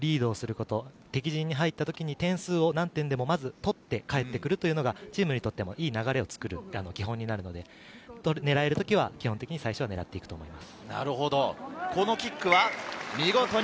まずはしっかりリードすること、敵陣に入ったときに、何点でも点を取って、かえってくるっていうのがチームにとっても良い流れを作る基本になるので、狙える時は基本的に狙っていくと思います。